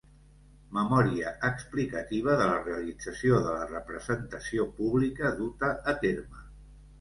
Memòria explicativa de la realització de la representació pública duta a terme.